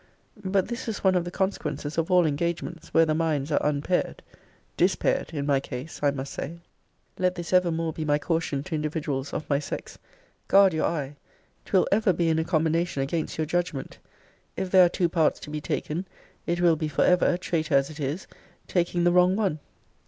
But this is one of the consequences of all engagements, where the minds are unpaired dispaired, in my case, I must say. Let this evermore be my caution to individuals of my sex Guard your eye: 'twill ever be in a combination against your judgment. If there are two parts to be taken, it will be for ever, traitor as it is, taking the wrong one.